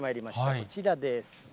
こちらです。